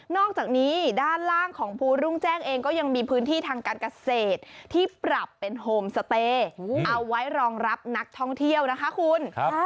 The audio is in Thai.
อกจากนี้ด้านล่างของภูรุ่งแจ้งเองก็ยังมีพื้นที่ทางการเกษตรที่ปรับเป็นโฮมสเตย์เอาไว้รองรับนักท่องเที่ยวนะคะคุณ